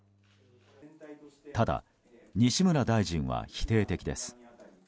ただ、西村大臣は否定的です。